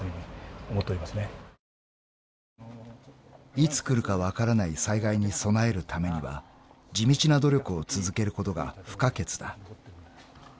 ［いつ来るか分からない災害に備えるためには地道な努力を続けることが不可欠だ］